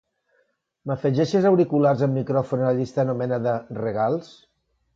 M'afegeixes auriculars amb micròfon a la llista anomenada "regals"?